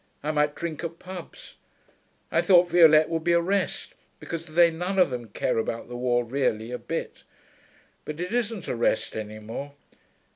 I might drink at pubs.... I thought Violette would be a rest, because they none of them care about the war really, a bit; but it isn't a rest any more.